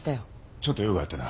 ちょっと用があってな。